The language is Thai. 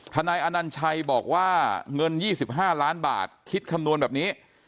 นายอนัญชัยบอกว่าเงิน๒๕ล้านบาทคิดคำนวณแบบนี้